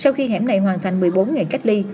sau khi hẻm này hoàn thành một mươi bốn ngày cách ly